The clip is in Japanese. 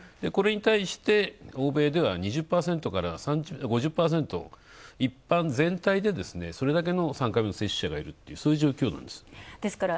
それに対して、欧米は２０％から５０％、一般、全体で、それだけの３回目接種者がいる、数字です。